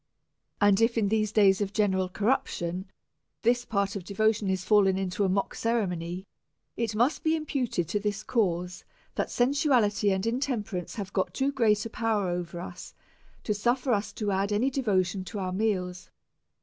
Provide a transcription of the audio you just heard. And if, in these days of general corruption, this part of devotion is fallen into a mock ceremony, it must be imputed to this cause, that sensuality and intemperance have got too great a power over us to suffer us to add any devotion to our meals.